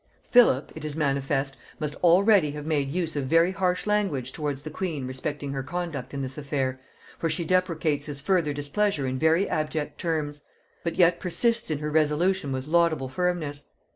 Philip, it is manifest, must already have made use of very harsh language towards the queen respecting her conduct in this affair, for she deprecates his further displeasure in very abject terms; but yet persists in her resolution with laudable firmness.